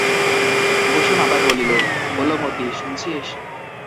কুসুম আবার বলিল, ওলো মতি, শুনছিস?